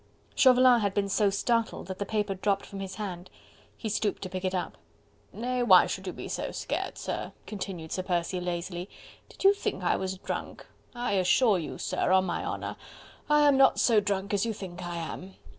Chauvelin had been so startled that the paper dropped from his hand. He stooped to pick it up. "Nay! why should you be so scared, sir?" continued Sir Percy lazily, "did you think I was drunk?... I assure you, sir, on my honour, I am not so drunk as you think I am."